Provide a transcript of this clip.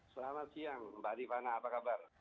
selamat siang mbak adi pana apa kabar